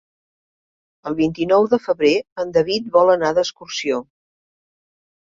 El vint-i-nou de febrer en David vol anar d'excursió.